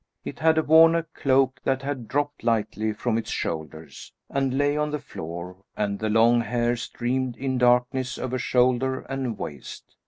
It had worn a cloak that had dropped lightly from its shoulders, and lay on the floor and the long hair streamed in darkness over shoulder and waist.